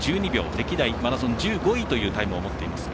歴代１５位というタイムを持っています。